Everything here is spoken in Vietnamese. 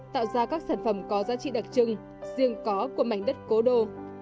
tạo ra các sản phẩm có giá trị đặc trưng riêng có của mảnh đất cố đô